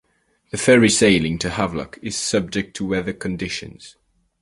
The ferry sailing to Havelock is subject to weather conditions.